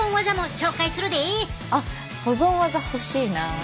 あっ保存ワザ欲しいな。